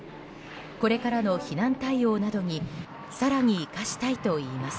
これからの避難対応などに更に生かしたいといいます。